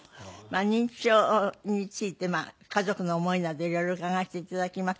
認知症について家族の思いなど色々伺わせて頂きます。